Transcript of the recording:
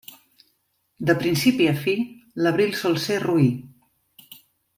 De principi a fi, l'abril sol ser roí.